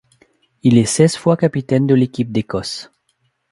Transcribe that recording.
Il est seize fois capitaine de l'équipe d'Écosse.